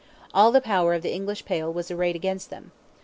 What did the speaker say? All the power of the English Pale was arrayed against them.